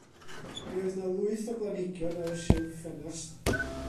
Mi oedd 'na lwyth o blanhigion ar y silff ffenast.